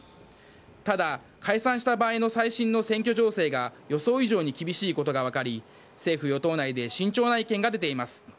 ただ、解散した場合の最新の選挙情勢が予想以上に厳しいことが分かり政府与党内で慎重な意見が出ています。